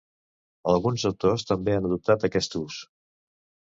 Alguns autors també han adoptat aquest ús.